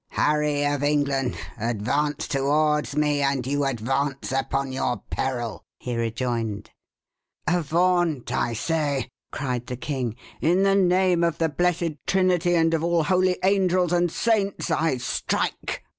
"Harry of England, advance towards me, and you advance upon your peril," he rejoined. "Avaunt, I say!" cried the king. "In the name of the blessed Trinity, and of all holy angels and saints, I strike!"